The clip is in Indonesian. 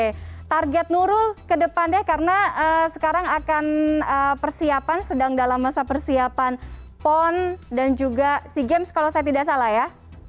oke target nurul ke depannya karena sekarang akan persiapan sedang dalam masa persiapan pon dan juga sea games kalau saya tidak salah ya